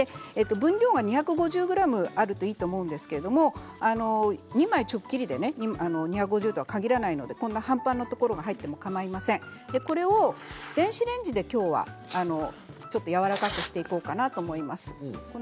分量が２５０ｇあるといいと思うんですが２枚ちょっきりで２５０とは限らないので半端なところが入ってもかまいません電子レンジでやわらかくしていこうかなと思います。